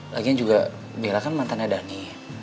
lagian juga bela kan mantannya dhani